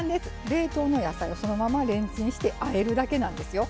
冷凍の野菜をそのままレンチンしてあえるだけなんですよ。